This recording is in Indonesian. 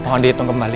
mohon dihitung kembali